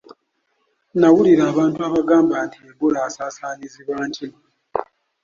Nawulira abantu abagamba nti Ebola asaasaanyizibwa nkima.